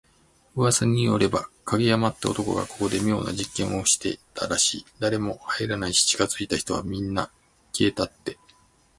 噂によれば、影山って男がここで妙な実験をしてたらしい。誰も入らないし、近づいた人はみんな…消えたって。